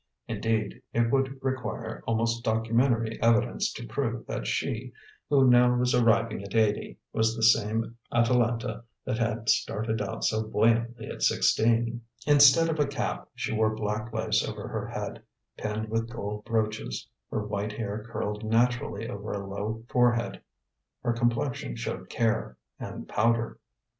Indeed, it would require almost documentary evidence to prove that she, who now was arriving at eighty, was the same Atalanta that had started out so buoyantly at sixteen. Instead of a cap, she wore black lace over her head, pinned with gold brooches. Her white hair curled naturally over a low forehead. Her complexion showed care and powder.